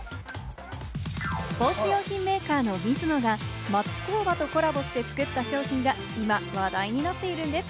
スポーツ用品メーカーのミズノが町工場とコラボして作った商品が話題になっているんです。